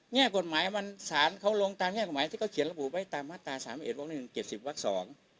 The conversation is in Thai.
เนี่ยกฎหมายมันสารเขาลงตามแง่กฎหมายที่เขาเขียนระบุไว้ตามมาตราสามเอ็กวักหนึ่งเจ็ดสิบวักสอง